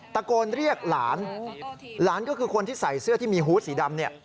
ตะโกนเรียกหลานหลานก็คือคนที่ใส่เสื้อที่มีฮูตสีดำเนี่ย